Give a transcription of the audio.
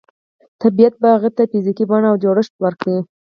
طبیعت به هغې ته فزیکي بڼه او جوړښت ورکړي